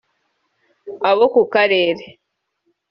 abo ku karere